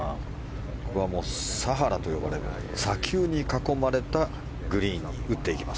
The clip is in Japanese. ここはサハラと呼ばれる砂丘に囲まれたグリーンに打っていきます。